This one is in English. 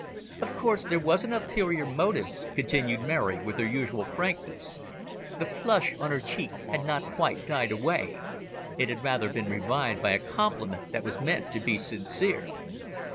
"Of course, there was an ulterior motive," continued Mary, with her usual frankness. The flush on her cheek had not quite died away; it had rather been revived by a compliment that she felt was meant to be sincere.